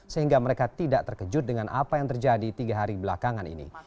sehingga mereka tidak terkejut dengan apa yang terjadi tiga hari belakangan ini